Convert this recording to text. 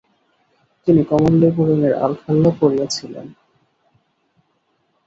তিনি কমলালেবু রঙের আলখাল্লা পরিয়াছিলেন।